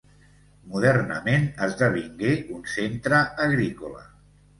Modernament esdevingué un centre agrícola.